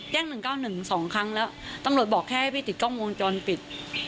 แจ้งหนึ่งเก้าหนึ่งสองครั้งแล้วตำโหลดบอกแค่ให้พี่ติดกล้องวงจรปิด